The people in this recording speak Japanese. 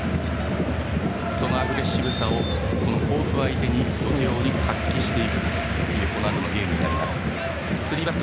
そのアグレッシブさを甲府相手にどのように発揮していくかというこのあとのゲームになります。